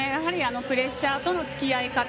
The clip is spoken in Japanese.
プレッシャーとのつきあい方。